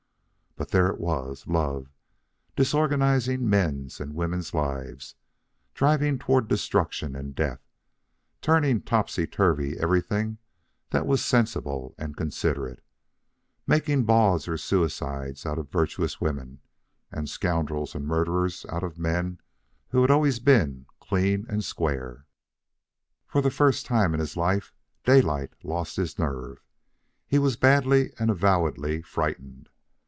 But there it was, love, disorganizing men's and women's lives, driving toward destruction and death, turning topsy turvy everything that was sensible and considerate, making bawds or suicides out of virtuous women, and scoundrels and murderers out of men who had always been clean and square. For the first time in his life Daylight lost his nerve. He was badly and avowedly frightened.